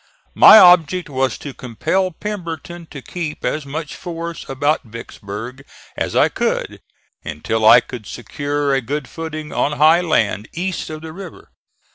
My object was to compel Pemberton to keep as much force about Vicksburg as I could, until I could secure a good footing on high land east of the river.